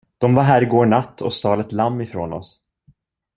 De var här i går natt och stal ett lamm ifrån oss.